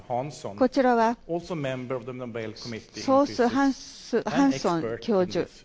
こちらはソース・ハンソン教授。